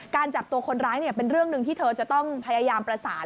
จับตัวคนร้ายเป็นเรื่องหนึ่งที่เธอจะต้องพยายามประสาน